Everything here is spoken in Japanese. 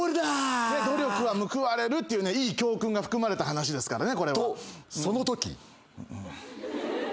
努力は報われるっていうねいい教訓が含まれた話ですからね。とそのとき。